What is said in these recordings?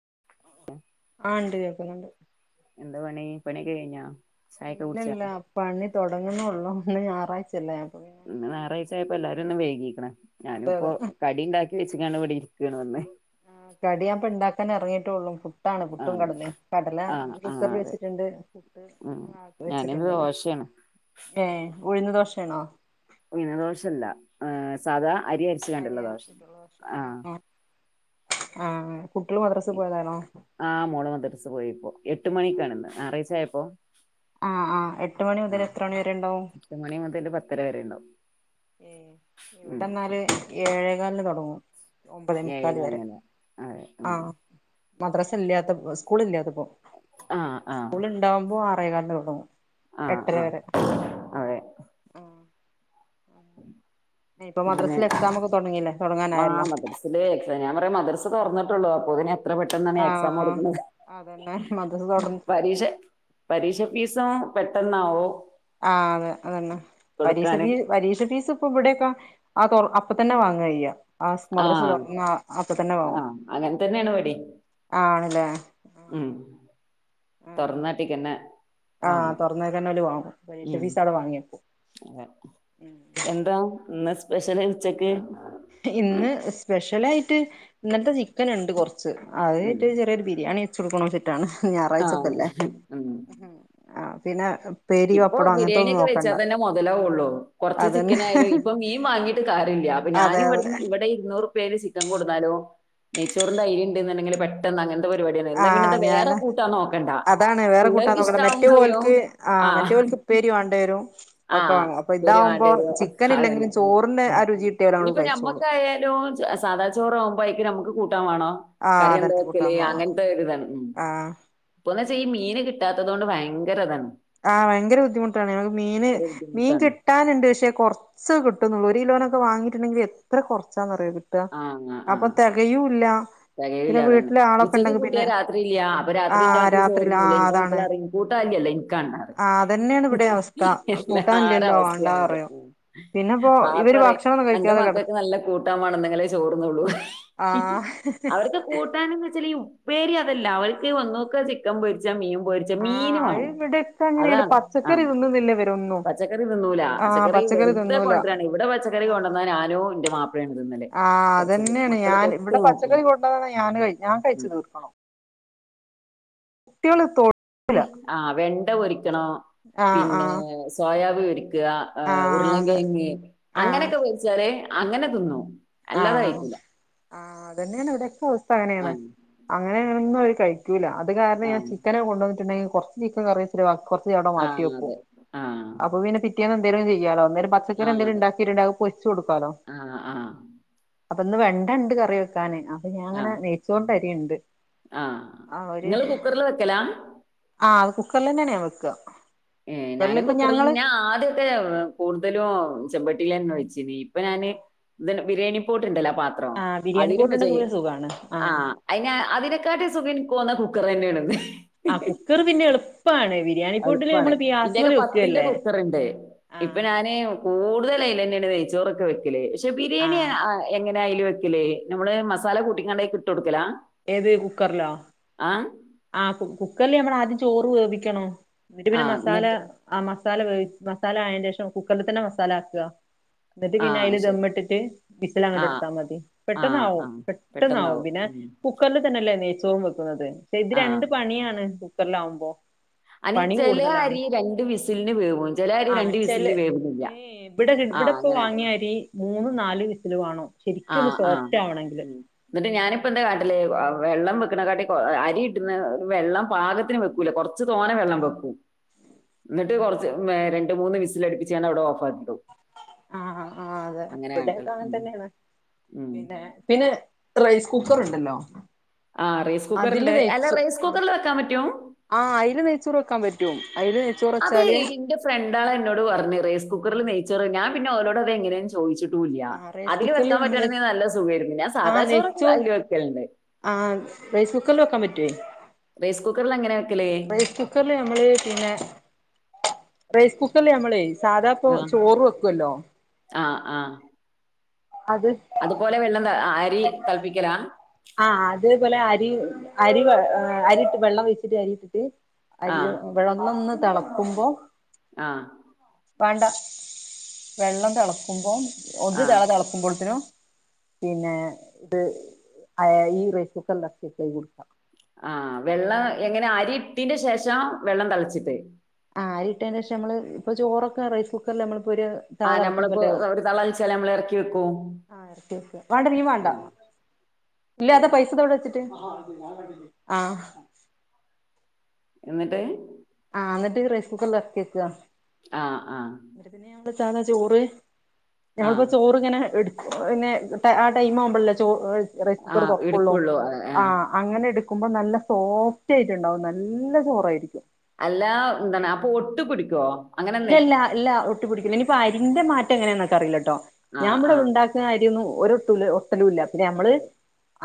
അ [unintelligible] ആ ഇണ്ട് കേക്കുന്നുണ്ട് എന്താ പണി പണിയൊക്കെ കഴിഞ്ഞോ ഇല്ലല്ല പണി തൊടങ്ങുന്നൊള്ളൂ ഇന്ന് ഞായറാഴ്ച ഇന്ന് ഞായറാഴ്ചയപ്പോ എല്ലാരൊന്ന് വൈകിക്ക്‌ണ് ഞാനും അതെ ഇപ്പോ അതെ കടി ഇണ്ടാക്കി വെച്ച്ക്കാണ്ട് ഇവിടെ ഇരിക്കാണ് വന്ന് ഇത്രള്ളൂ ഫുഡ് പുട്ടാണ് പുട്ടും ആഹ് കടല കടല ആഹ് ആഹ് കുക്കറിൽ അതെ വെച്ചിട്ടുണ്ട് പുട്ട് ഉം ഞാനിന്ന് വെച്ചിട്ടുണ്ട് ദോശയാണ് ഏ ഉഴുന്ന് ദോശയാണോ ഉഴുന്നു ദോശ അല്ല ആ സാധാ അരി അരി അരിച്ച്കാണ്ടുള്ള ദോശ ആഹ ആ ഉം ആ മോള് മദ്റസയിൽ പോയിപ്പോ എട്ടു മണിക്കാണ് ഇന്ന് ഞാറാഴ്ച പ്പോ ആ ആ എട്ട് മണി മുതൽ എത്ര മണി വരെ ഇണ്ടാവും എട്ട് മണി മുതൽ പത്തര വരെ ഉണ്ടാവും ഏ ഉം ഇവിടെന്നാല് ഏഴേകാലിന് തൊടങ്ങും ഏഴേ ഒമ്പതേമുക്കാല് വരെ കാലിനെല്ലാം അതെ ആ ഉം മദ്രസ് ഇല്ലാത്തപ്പം സ്കൂളില്ലാത്തപ്പം ആഹ് ആഹ് സ്കൂളിണ്ടാവുമ്പോ ട്ടേക്കാലിലെ തുടങ്ങും ആഹ് എട്ടര ആഹ് വരെ അതെ ഇപ്പൊ പിന്നെ മദ്രസിൽ എക്സാം ഒക്കെ തുടങ്ങിയില്ലേ മാ തുടങ്ങാനായല്ലോ മദ്രസിലെ ഞാൻ പറയാ മദ്രസ് തുറന്നില്ലോ ട്ടോള്ള് അപ്പോന്നെ എത്ര പെട്ടെന്നാണീ എക്സാമു ആഹ് കൊടുക്കുന്നത് അതന്നെ മദ്രസ് തുടങ്ങി പരീക്ഷ പരീക്ഷ ഫീസോ പെട്ടെന്നാവോ ആ അതെ അതന്നെ പരീസ ഫീ പരീഷ ഫീസ് ഇപ്പൊ ഇവിടെക്കോ ആ തോർ അപ്പ തന്നെ വാങ്ങയ്യ ആസ് ആ മദരസ തുറന്നാ അപ്പ തന്നെ ആ വാങ്ങും അങ്ങനെ തന്നെയാണ് ഇവിടേം ആ ആണ് അല്ലെ ഉം തൊറന്നാട്ടിക്കണെ ആ തുറന്നേക്കന്നല് വാങ്ങും പരീക്ഷ ഉം ഫീസ ആടെ വാങ്യെക്കും അതെ എന്താ ഇന്ന് സ്പെഷ്യൽ ഉച്ചക്ക് എല്ലായിട്ട് ഇന്നല്ത്തെ ചിക്കൻ ഉണ്ട് കുറച്ച് ച്ച് ഉം അതേറ്റൊരു ചെറിയൊരു ബിരിയാണി ചുടുക്കണം ചെറ്റാണ് ആ ഞാറാച്ചക്കല്ലേ ആ പിന്നെ ഉപ്പേരി ഇപ്പം പപ്പടം അങ്ങനത്തെ ബിരിയാണി ഒന്നും ഒക്കെ വെച്ചാ നോക്കണ്ട തന്നെ മുതലാവുള്ളൂ കൊറച്ച് അതന്നെ ചിക്കനായാലും ഇപ്പൊ മീൻ വാങ്ങിയിട്ട് കാര്യല്ല അപ്പൊ ഞാൻ അതെ അതെ ഇവിടുന്ന് ഇവിടെ ഇരുന്ന് നൂറു റുപ്പിയേല് ചിക്കൻ കൊണ്ടുന്നാലും നെയ്ച്ചോറിന്റെ അരീണ്ടങ്കിലങ്ങനെ പെട്ടെന്നങ്ങ പരിപാടിയാണ് ആ എന്താ പിന്നെന്താ വേറെ ഞാന് കൂട്ടാൻ നോക്കണ്ടാ അതാണ് വേറെ കൂട്ടാൻ പിള്ളേർക്ക് നോക്കണ്ട ഇഷ്ടാവും മറ്റേ ചെയ്യും ഓൽക്ക് ആ മറ്റ് പോലത്തെ ഉപ്പേരി വേണ്ടി വരും ആ ഒക്കെ വാങ്ങും അപ്പൊ ഉപ്പേരി ഇതാവുമ്പോ വേണ്ടി വരും ചിക്കൻ ഇല്ലെങ്കിലും അതന്നെ ചോറിന്റെ ആ രുചി കിട്ടിയാൽ അങ്ങട് ഇനിപ്പോ കഴിച്ചോളും നമ്മക്കായാലും സാദാ ചോറാവുമ്പം വൈകിട്ട് നമുക്ക് കൂ ട്ടാൻ വേണോ ആ കറി എന്താ അതന്നെ വക്കല് കൂട്ടാൻ വേണം അങ്ങനത്തെ ഒരു ഇതാണ് ഉം ആ ഇപ്പോന്ന് വെ ഇപ്പോ ഈ മീന് കിട്ടാത്തത് കൊണ്ട് ഭയങ്കര ഇതാണ് ആ ഭയങ്കര ബുദ്ധിമു ട്ടാണ് ഞങ്ങക്ക് മീന് ഭയങ്കര മീൻ ബുദ്ധിമുട്ടാണ്. കിട്ടാനുണ്ട് പക്ഷെ കുറച്ച് കിട്ടുന്നുള്ളൂ ഒരു കിലോനോക്കെ വാങ്ങിട്ടുണ്ടെങ്കിൽ എത്ര കുറച്ചാന്നറിയുവോ കി ട്ടുക അപ്പൊ തികയൂവില്ലാ തികയൂല്ല അത് തന്നെ ഉച്ചയ്ക്ക് കൂട്ടിയാ രാത്രിയില്ല അപ്പൊ രാത്രി ആഹ് ഉണ്ടാക്കുന്ന ചോറ് രാത്രിയില് ആഹ് എന്റെ അതാണ് മക്കൾ ചോർന്നൂ എന്റെ മക്കൾ [unintelligible] [unintelligible] കാണാറ് ആഹ് അതന്നെയാണ് ഇവിടെ അവസ്ഥ കൂട്ടാനില്ലല്ലോ എല്ലാരവസ്തിം വാണ്ടാ അങ്ങൻ പറയും തന്നേണ് പിന്നെപ്പോ ഇവര് ബാപ്പറിം ഭക്ഷണൊന്നും അന്റെ കഴിക്കാതെ മക്കള്ക്ക് കെടക്കും നല്ല കൂട്ടാം മാണം ന്നങ്കിലേ ചോറ്ന്നൊള്ളൂ ഹി ഹി ആഹ് അവിടത്തെ കൂട്ടാനും കിട്ട് [unintelligible] ഉപ്പേരി അതല്ല അവൾക്ക് ഒന്നൊക്കെ ചിക്കൻ പൊരിച്ച മീൻ പൊര് ആഹ് അഹ് ഇവിടൊക്കെ അങ്ങനെയാണ് ആ പച്ചക്കറി തിന്നുന്നില്ല വരോ പച്ചക്കറി തിന്നൂലാ പച്ചക്കറി വെറുതെ തിന്നൂല കൊണ്ടുവരാണ് ഇവിടെ പച്ചക്കറി ആഹ് കൊണ്ടുവന്നാ ഞാനോ ന്റെ മാപ്പിളാണ് തിന്നല് ആഹ് കൊർചെങ്കിലും അതന്നെയാണ് മക്കള് ഞാൻ തൊട്ട് ഇവിടെ നോക്കൂല പച്ചക്കറി കൊണ്ടന്നാ ഞാന് ഞാൻ ഉം കുട്ടികള്തൊ ഉംഹ് ആ വെൺ ണ്ട പൊരി ക്കാണോ ആഹ് പിന്നെ ആഹ് സോയാബി പൊ ക്ക് ആ ആ ആഹ് അതെ ഉരുളൻകേങ്ങ് അങ്ങനൊക്കെ വേവിച്ചാല് അങ്ങനെ തിന്നോ ആഹ് ആഹ് ആഹ് അതൂതന്നെയാണ് ഇവിടോക്കെ അവസ്ഥ അങ്ങനെയാണ് ആഹ് അങ്ങനെ അങ്ങനന്ന കഴിക്കൂല അത് കാരണം ഞാ ആഹ് ചിക്കനെ കൊണ്ട് വന്നിട്ടുണ്ടെൽ കുറച്ച് ചീക്കറിച്ചിട്ട് ബാ കുറച്ചവിടെ മാറ്റി ആഹ് വെക്കും അതെ ആഹ് അപ്പൊ പിന്നെ പിറ്റേന്നു എന്തെങ്കിലും ചെയ്യാലോ അന്നേരം പച്ചക്കറി ആഹ് എന്തെങ്കിലും അതെ ഉണ്ടാക്കിട്ടുണ്ടാക്കഅതുപൊരിച്ചു കൊടുക്കാലോ ആഹ് ആഹ് അപ്പൊന്ന് വെണ്ട ഇണ്ട് കറി വെക്കാന് അപ്പൊ ഞാൻ അങ്ങനെ ആഹ് നെയയിച്ചൊണ്ടരിണ്ട് ആഹ് ഒര് ഇങ്ങള് കുക്കറിൽ വെക്കലാ ആഹ് ത് കുക്കറിലന്നെയാണ് ഞൻ വെക്കുക ഏ കുക്കറിൽ ഞാനും ഇപ്പ കുക്കർല് ഞങ്ങള് ഞാൻ ആദ്യക്കെ കൂടുതലും ചമ്പട്ടിലെന്നെ വെചീ നി ഇപ്പൊ ഞാന് ഇത് ബിരിണി പോ ട്ട്ണ്ടല്ല അ പത്രം ആഹ് ബിരിയാണി അതിലും വെജ പോട്ടുണ്ടെങ്കിൽ പിന്നെ സുഖാണ് ആഹ് അയ്ന് അതിനെക്കാട്ടെ സുഖം ന്ന കുക്കർ തന്നെണ് ആഹ് കുക്കർ പിന്നെ എള് എളുപ്പാണ് ഇന്റെയൊക്കെ പത്തിന്റെ വെക്കല്ലേ കുക്കറ്ണ്ട് ആ ഇപ്പൊ ഞാന് കൂടുതല അയ്ലെന്നെണ് നൈച്ചോറൊക്കെ വെക്കല് ക്ഷെ ആ ബിരിയാണിങ്ങന അയ്ല് വെക്കലേ നമ്മള് മസാല കൂട്ടിക്കാണ്ട് അയിക്ക് ഇട്ട് കൊടുക്കലാ ഏത് കുക്കർലോ ആഹ് ആ കുക്കറിൽ നമ്മള ആദ്യം ചോറ് വേവിക്കണോ എന്നിട്ട് പിന്നെ ആഹ് മസാല എന്നിട്ട് ആ മസാല മസാലായയതിന് ശേഷം കുക്കറിൽ തന്നെ മസാല ആക്കുക എന്നിട്ട് പിന്ന ആഹ് അല് ശരി ദമ്മിട്ടിട്ട് വിസൽ അങ്ങോട്ട് ആഹ് എത്താ മതി പെട്ടന്ന ആഹ് ആവും ആഹ് പെട്ടെന്ന ആവും പെട്ടെന്നാവും പിന്നെ ഉം കുക്കറിൽ തന്നെല്ലേ ചോർ വെക്കുന്നതെ ഇത് രണ്ട് പണിയാണ് ല്ലാവുമ്പോ അനി ചിലരി രണ്ട് വിസിലിന് വേവും ചിലരി ആഹ് രണ്ട ചെല വിസിലിന് വേവുല്ല ഏ ഇവിടെ ആ ഇവിടെപ്പ അങ്ങനെണ്ട വാങ്ങിയ അരി മൂന്ന് നാൽ വിസൽ വാണം ആഹ ആഹ് ഉ എന്നിട്ട് ഞാനിപ്പോ എന്താ കാട്ടിലെ വെള്ളം വെക്കണെക്കാട്ടി അരി കിട്ടുന്ന ഒരു വെള്ളം പാകത്തിനന് വെക്കൂല കൊറ കുച്ച് തോനെ വെള്ളം വെക്കു എന്നിട്ട് കുറച്ച് രണ്ട മൂന്ന് വിസൽ അടിപ്പിച്ച ഞ അവിടെ ഓഫ് ആക്കി ആഹ ആ അതെ കാണിക്കല ഇവിടെക്കെ അങ്ങൻ ഉം. തന്നെയാണ് ഉം. പിന്നെ പിന്നെ റൈസ് കുക്കർ ഉണ്ടല്ലോ ആ റൈസ് കുക്കർ അതില് ഉണ്ട് അല്ല നെയ്ച്ചു റൈസ് കുക്കറില് വെക്കാൻ പറ്റോ ചുറക്കാൻ പറ്റും അയില് നെയ്ച്ചോറ് അതെ വെച്ചാല് എന്റെ ഫ്രണ്ടാള എന്നോട് പറഞ്ഞഞ് റൈസ് കുക്കറിൽ ന ർ ഞാൻ പിന്നെ ഓലോഡ് അത് എങ്ങനെ ചോയ്ച്ചി ട്ടൂല്ല. ആഹ് റൈസ് അതില് കുക്കറില് വെക്കാൻ നമ്മള് പറ്റണെങ്ക നല്ല സുഖയിരുന്നു ഞാൻ സാദാ ആഹ് ചോറ് നെയ്ച്ചോറ് അതില് വെക്കലുണ്ട് ആഹ് റൈസ് [unintelligible] റൈസ് കുക്കറിൽ എങ്ങനെ വെക്കലേ റൈസ് കുക്കറില് നമ്മള് പിന്നെ റൈസ് കുക്കറില് ഞമ്മളെ സാധാ ഇപ്പൊ ചോറ് വെക്ക്വല്ലോ ആഹ് ആഹ് അതുപോലെ വെള്ള നെ ആയ തീ തെൾപിക്കലാ ആ അത് ഇത്പോലെ അരി അരി അരിയിട്ട് വെള്ളം വെച്ചിട്ട് അരിയിട്ട് ആ അരി വെള്ളം ഒന്ന് വള്ളം ഒന്ന് തെളക്കുമ്പോ ആഹ് വാണ്ട വെള്ളം തെളക്കുമ്പോ ആ ഒര് തെള തെളക്കുമ്പോഴ്‌ത്തിനും പിന്നെ ഇത് ആയ് ഈ റൈസ്കുക്കറിലെറക്കിയെക്ക ഈ കുടുക്ക. ആഹ് വെള്ളം എങ്ങനെ അരി ഇട്ടിന്റെ ശേഷം വെള്ളം തെളച്ചിട്ട് ആ അരിട്ടീന് ശേഷം നമ്മള് ഇപ്പ ചോറൊക്കെ റൈസ് കുക്കറില് ഞമ്മള് ആഹ് നമ്മളിപ്പോ ഒരു തെളതെളച്ചാ നമ്മള് എറക്കി വെക്കും ആഹ് ആഹ് ഇല്ല താ പൈസദാവ്ടെ വച്ചിട്ട് ആഹ് എന്നിട്ട് ആ എന്നിട്ട് റൈസ് കുക്കറിലെറെക്യക്ക ആഹ് ആഹ് തന്ന ചോറ് ഞമ്മളിപ്പോ ചോറ് ഇങ്ങനെ എട് പിന്നെ ആ ടൈം ആവുമ്പോള്ലെ ചോ റൈസ് കുക്കറ് തോറക്കൊള്ളൂ ആ അങ്ങനെ എട് ക്കുമ്പോ നല്ല സോഫ്റ്റ് ആയിട്ടുണ്ടാവും നല്ല ചോറായിരിക്കും അല്ലാ എന്താണ് അപ്പൊ ഒട്ട് പിടിക്കുവോ? അങ്ങനെ ഇല്ല എന്തേ ഇല്ല ഇല്ല ഒ ഒട്ടി പിടിക്കൂല ഇനിപ്പോ അരിന്റെ മാറ്റ എങ്ങനെയാന്ന് നക്ക് അറിയില്ലട്ടോ ആ ഞാൻ ഇവ്ടെ ആ ഉണ്ടാക്കുന്ന അരിഒന്നു ഒരു ഒട്ടു ഒട്ടലുംല്ല ഞമ്മള് അതെ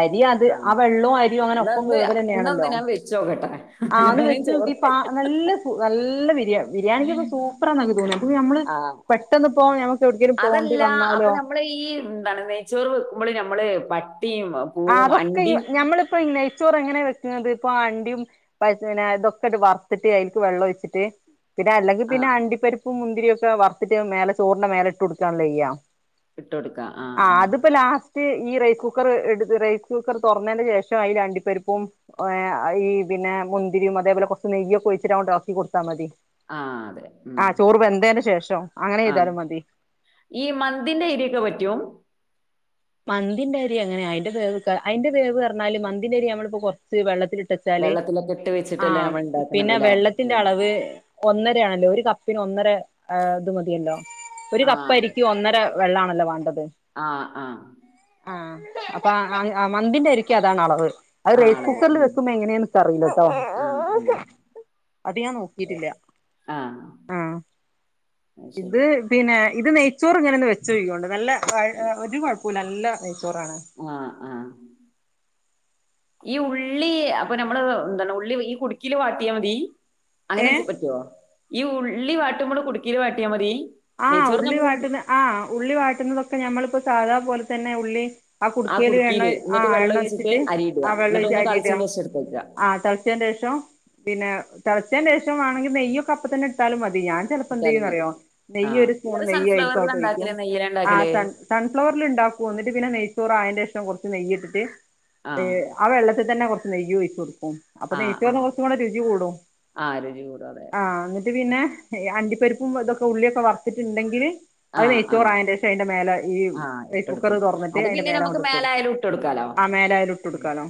അരി അത് ആ വെള്ളൊ അരിം അങ്ങനെ ഒപ്പം ഇന്നൊന്ന് ഇന്നൊന്ന് വേവലന്നെയാണല്ലോ ഞാൻ വെച്ചോക്കട്ടെ ആ അത് വേണേൽ വെച്ച് ചോറ് നോക്കി പ നല്ല ഫു നല്ല നല്ല ബരിയാ ബിരിണിക്ക് ഇപ്പം സ് സൂപ്പറാന്നാ നക്ക് തോന്നിയെ അപ്പ നമ്മള് ആ പെട്ടെന്ന് ഇപ്പോ ഞമ്മക്ക് എവിടെക്കെലും പോണ്ടി അതല്ല അപ്പൊ വന്നാലോ നമ്മള് ഈ പട്ട് ആ അതൊക്കെ ഈ ഞമ്മളിപ്പോ നെയ്യ് ച്ചോറ് എങ്ങനെ വെക്കുന്നത് ഇപ്പൊ അണ്ടിയും പ ഇതൊക്കെ ഇട്ട് വറുത്തിട്ട് അതിക്ക് വെള്ളം ഒഴിച്ചിട്ട് പിന്നെ ആ അല്ലെങ്കിപിന്നെ അണ്ടി പരിപ്പ് ഉപ്പും മുന്തിരിയൊക്കെ വറത്തിട്ട് മേല ചോറിന്റെ മേലെ ഇട്ട് കൊടുക്കാനല്ലേ ചെയ്യാ ഇട്ടൊടുക്കാ ആഹ ആ ആഹ അതിപ്പോ ലാസ്റ്റ് ഈ റൈസ് കുക്കർ എടു റൈസ് കുക്കർ തുറന്നതിന്റെ ശേഷം അതിഅണ്ടി പരിപ്പും ഹ ഈ പിന്നെ മുന്തിരിയും അതേപോലെ കുറച്ച് നെയ്യ്ഒക്കെ ഒഴിച്ചിട്ട അളക്കി കൊടുത്താൽ മതി ആ അതെ ഉം ആ ചോറ് വെന്തതിന് ശേഷം അങ്ങനെ ആഹ ചെയ്താലും മതി ഈ മന്തിന്റെ അയ്രിയൊക്കെ പറ്റും മന്തിന്റെ അരി അങ്ങനെ അയിന്റെ വേവ് പറഞ്ഞാല് മന്തിന്റെ അരി നമ്മളിപ്പോ കുറച്ച് വെള്ളത്തിൽ ഇട്ട് വെച്ചാല് വെള്ളത്തിലൊക്കെ ഇട്ട് വെച്ചിട്ടല്ലേ ആഹ നമ്മൾ ഉണ്ടാക്കണത് പിന്നെ ല്ലേ വെള്ളത്തിന്റെ അതെ അളവ് ഒന്നര ആണല്ലോ ഒരു കപ്പിന് ഒന്നര ഇത് മതിയല്ലോ ഒരു ആ അതെ കപ്പരിക്ക് ഒന്നര വെള്ളാണല്ലോ വേണ്ടത് ആ ആഹ് ആ അപ്പോ മന്തിന്റെ അരിക്ക് അതാണ് അളവ് അത് ആ റൈസ് അളവ് കുക്കറിൽ ഉം വെക്കുമ്പോ എങ്ങനെയ എനിക്ക് അറിയില്ലട്ടോ ആ ഉം അത് ഞാൻ ഓ, നോക്കിട്ടില്ല ആ ആഹ അത് ശരി ഇത് പിന്നെ ഇത് നെയ്ച്ചോർ ഇങ്ങനെ ഒന്ന് വെച്ചോക്കികെണ്ട് നല്ല ഒരു കുഴ നല്ല നെയ്യ് ചോറ് ചോറാണ് ഇ ഉള്ളി അപ്പൊ നമ്മൾ എന്താണ് ഈ ഉള്ളി കുടുക്കിൽ വാട്ടിയാൽ മതി അങ്ങനെ വെച്ച ഏഹ് പറ്റുവോ ഈ ഉള്ളി വാട്ടുമ്പോൾ കുടുക്കിയയിൽ വാട്ടിയാ മതി ആ നെയ്ച്ചോറ് ഉള്ളി നമ്മൾ വാട്ടന്ന് ആ ഉള്ളി വാട്ടന്ന് ഒക്കെ ഇപ്പോ ഞമ്മളിപ്പോ സാധാ പോലെ തന്നെ ഉള്ളി ആ കുടുക്കേൽ എണ്ണ കുടുക്കിയില് ആ എന്നിട്ട് വെള്ളം എണ്ണ ഒഴിച്ചിട്ട് അരി ഇടുക ആ വെള്ളം എന്നിട്ട് ഒഴിച്ച് ഒന്ന് അരിട തളിച്ചതിന് ശേഷം എടുത്തേക്കുക ആ തളച്ചേൻ്റെ ശേഷം പിന്നെ തിളച്ചന്റെ രേഷം വാണെങ്കിൽ നെയ്യ് അപ്പ തന്നെ എടുത്താലും മതി ഞാൻ ചിലപ്പോ എന്ത ഇട്ടാലും മതി ചെയ്യന്ന്റിയോ ആ നെയ്യ് ഒരു സ്പൂൺ നിങ്ങള് നെയ്യ് സൺഫ്ലവറിലാ ഒഴിക്കും ഉണ്ടാക്കല് നെയ്യിലാ ആ ഉണ്ടാക്കല് സൺ ഫവറിൽ ഉണ്ടാകും പിന്നെ നെയ്യ് ചോറ് ആ അതിന്റെ ശേഷം കുറച്ച് നെയ്യ്‌ട്ടിട്ട് ആ വെള്ളത്തിൽ തന്നെ കൊറച്ച് നെയ്യും ഒഴിച്ച് കൊടുക്കും അപ്പൊ ആ ആ നെയ്യ്ച്ചോറിന് കുറച്ചും കൂടെ രുചി കൂടും ആ രുചി കൂടാതെ ആഹ എന്നിട്ട് പിന്നെ അണ്ടി പരിപ്പും ബദേ ഉള്ളിയൊക്കെ വറത്തിട്ടുണ്ടെങ്കിൽ ആ അത് ആ നെയ്ച്ചോറ് അയതിൻ ശേഷം അതിന്റെ മേല ഈ ആ റൈസ് കുക്കർ ഇട്ടെടുക്കും തുറന്നിട്ട് അത് അതിന്റെ പിന്നെ മേലെ നമുക്ക് അങ്ങോട്ട് ഇട്ട കൊടുക്കും മേലായാലും ഇട്ടെടുക്കാലോ ആ മേലെ അതിൽ ഇട്ട് ഉം കൊടുക്കാലോ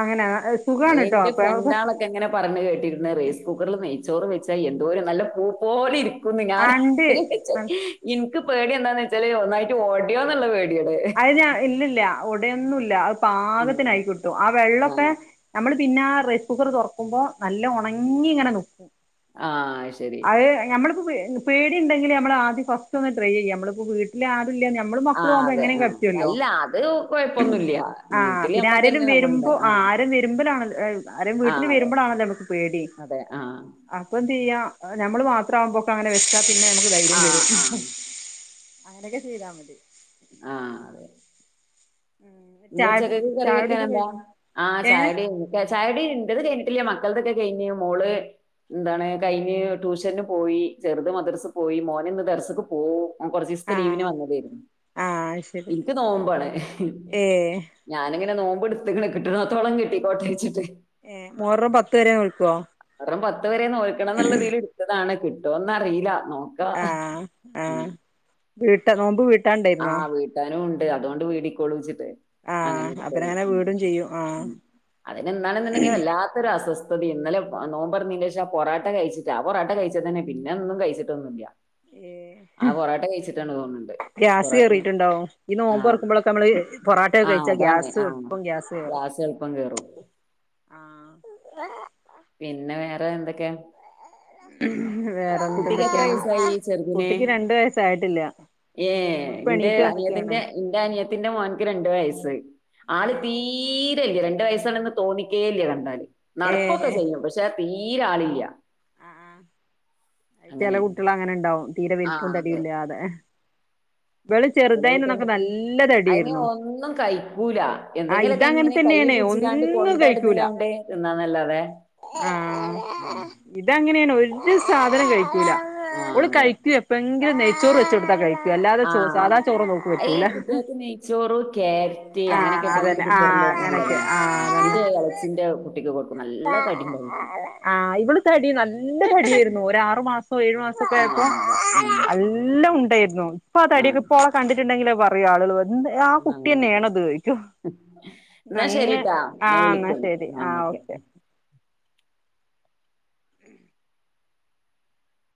അങ്ങനെ സുഖാണ് ട്ടോ എൻ്റെ അപ്പൊ ഫ്രണ്ടാളൊക്കെ എങ്ങനെ പറഞ്ഞ് കേട്ടിന്ന് റൈസ് കുക്കറിൽ നെയ്ചോ ചോറ് വെച്ചാൽ എന്തോ ഒരു നല്ല പൂ പോലെ ഇരിക്കും ആ ഞാൻ ഇണ്ട് എനിക്ക് പേടിയാ എന്ന് ഒന്നായിട്ട് ഓടിയോ എന്നുള്ള വീ അത് ഞാൻ ഇന്ന് ഇല്ല അവിടെ ഒന്നും ഇല്ല ഉം പാകത്തിനായി കിട്ടും ആ വെള്ളൊക്കെ ആഹ് നമ്മൾ പിന്നെ ആ റൈസ് കുക്കർ തുറക്കുമ്പോ നല്ല ഉണങ്ങി ഇങ്ങനെ നിക്കും ആഹ് ശരി. അത് ഞമ്മളിപ്പോ പേടിണ്ടെങ്കില് ഞമ്മളാദ്യം ഫസ്റ്റ് ഒന്ന് ട്രൈ ചെയ്യും ഞമ്മള്പ്പോ വീട്ട്ലാ ല്ല ഞമ്മളും മക്കളും ആഹ് ആവുമ്പം അതെ എങ്ങനെ ആഹ് ത്ത്യല്ലോ അല്ല അത് കൊഴപ്പൊന്നുല്ല ആ വീട്ടില് പിന്നെ ആരേലും നമ്മക്കന്നെ നമ്മള്ണ്ട് വെര്മ്പോ ആ ആഹ് ആരേം വെര്മ്പാെലാണൽ ഏ ആരേം വീട്ട്ല് ആഹ് അതെ വെര്മ്പളാണല്ലോ നമക്ക് പേടി അതെ ആഹ് അപ്പൊന്തെയ്യാ ഞമ്മള് മാത്രാകുമ്പക്കാ ആ ഞെ ആ ആ അങ്ങനെക്കെ ചെയ്താ മതി ആ ഉം ഇന്ന് ചായ ഉച്ചക്കെക്ക് കറി ചായുടിയൊക്കെ വെക്കാനെന്താ കഴിഞ്ഞോ ആ ഏഹ് ചായുട്യയ്ഞ്ഞ് എ ചായുട്യയ്ഞ്ഞ് ഇൻ്റത് കെയ്ഞ്ഞിട്ടില്ല മക്കൾതൊക്കെ കെയ്ഞ്ഞ് മോള് ന്താണ് കയ്ഞ്ഞ് ട്യൂഷന്ന് പോയി ചെറ്ത് മദ്രസ് പോയി മോന് ഇന്ന് ദർസ്ക്ക് പോവും ഓർ കൊർച്ചീസ്ത്തെ ലീവിന് ആഹ് വന്നതേയ്ര്ന്നു ആഹ് ശരി ൻക്ക് നോമ്പാണ് ഏഹ് ഞാനിങ്ങനെ നോമ്പ്ട്ത് ത്ത്ക്ക്ണ് കിട്ട്ണോട്ത്തോളം കിട്ടികോട്ടെച്ച്ട്ട് ഏഹ് മുഹറം പത്ത് വരെ നോൽക്കോ ഹറം പത് ത്ത്‌വരെ നോൽക്കണം ന്ന്ള്ളതീല് ട്ത്തതാണ് കിട്ടുവോന്ന് അറിയില്ലാ ആഹ് ആഹ് വീട്ട് നോമ്പ് വീ ആഹ് വീട്ടാനും ഉണ്ട് അതൊണ്ട് വീടിക്കോളും വച്ച് ആഹ് അങ്ങനെയെടുത്തായാണ് അപ്പരങ്ങനെ വീടും ചെയ്യും ആഹ് മ് മ് അതിന് ഇന്നാണുന്നുണ്ടെങ്കി വല്ലാത്തൊരു അസ്വസ്ഥ ഇന്നലെ നോമ്പ് തുറന്നേന് ശേഷം പൊറോട്ട കഴിച്ചിട്ടാ പൊറോട്ട കഴിച്ചതന്നെ പിന്നെ ഒന്നും കഴിച്ചിട്ടൊന്നുമില്ല ഏഹ് ആ പൊറോട്ട കഴിച്ചിട്ടാണ് തോന്നുന്നുണ്ട് കേറിട്ടുണ്ടാ ഈ നോമ്പ്തുറക്കുമ്പോഴൊക്കെ നമ്മള് പൊറാട്ടക്കെ ആഹ് കഴിച്ചാ അതാണ് ഗ്യാസ് ആഹ്. എളുപ്പം ഗ്യാസ് കേറും എളുപ്പം കേറും. ആഹാ പിന്നെ വേറെ എന്തൊക്കെയാ വേറെ എന്നിട്ട് കുട്ടിക്ക് എത്ര എന്തൊക്കെയാണ് വയസ്സായി ചെറുതിനെ കുട്ടിക്ക് രണ്ട് വയസ്സായിട്ടില്ല ഏ ഓളിപ്പോ എന്റെ എണീറ്റ് വന്നിക്കാണ് അനിയത്തിന്റെ എന്റെ അനിയത്തിന്റെ മോൻക്ക് രണ്ട് വയസ്സ് ആള് തീ രേയില്ല രണ്ട് വയസ്സാണ് തോന്നിക്കേല്ലാ കണ്ടാല് നടക്കൊക്കെ ചെയ്യും പക്ഷെ തീരാ ആളില്ലാ ആഹ് ആ ചില കുട്ടികൾ അങ്ങനെ ഇണ്ടാവും തീരെവൽപ്പവും ആഹ് അതെ തടിയില്ലാതെ ചില കൂട്ട നല്ല അതിനെ തടിയായിരുന്നു ഒന്നും കഴിക്കൂല ആ എന്തെങ്കിലുമൊക്കെ ഇതങ്ങനെ ഇങ്ങനെ കയ്യെ തന്നെയാണ് കുടിച്ച കാണ്ട് ഒന്നും കൊണ്ടടന്ന് കഴിക്കൂല കാണ്ട് എന്നാന്നല്ലാതെ ഇങ്ങനെയ ഒരു സാധനം കഴി ഇല്ല ആഹ് അവള് അതെ കഴിക്ക എപ്പങ്കിലു ചോറ് വെച്ച് കൊടുത്ത കഴിക്കു ആഹ ഈ കുട്ടികൾക്ക് നെയ്ച്ചോറ കാരറ്റ് അങ്ങനെൊക്കെ ആഹ് ഇട്ടണ്ട് അതന്നെ ആഹ് കൊടുക്കുന്നത് അങ്ങനൊക്കെ നല്ലതാണ് എന്റെ ഇളച്ചിന്റെ കുട്ടിക്ക് കൊടു ആ ഇവള് തടി നല്ല ഉം തടിയായിരുന്നു ഒരു ആറു മാസോ ഏഴു മാസപോക്കെ ആയപ്പോ ആഹ് അതെ ഉം നല്ല ഉണ്ടായിരുന്നു [inaudible] ഇപ്പ തടയൊക്ക ആഹ് ഇപ്പോളെ കണ്ടിട്ടുണ്ടെങ്കിൽ പറയുക ആളുകൾ എന്ത് ആ ആഹ് അതെ കുട്ടിന്നെയാണിത് ചോദിക്കും എന്നാ അങ്ങ് ശരിട്ടാ ആ ഞാൻ എന്നാ വിളിക്കന്നാ ശരി ആ ആഹ് ഓക്കെ